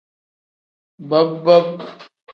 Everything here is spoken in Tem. Bob-bob.